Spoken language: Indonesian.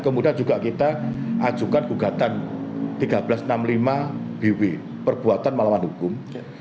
kemudian juga kita ajukan gugatan seribu tiga ratus enam puluh lima bw perbuatan melawan hukum